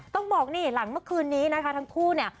ต้องบอกนี่หลังเมื่อคืนนี้นะคะทั้งคู่เนี่ย